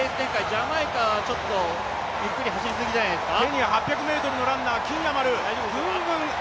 ジャマイカはちょっとゆっくり走りすぎじゃないですか。